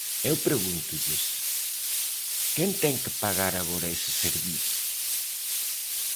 Eu pregúntolles: ¿quen ten que pagar agora ese servizo?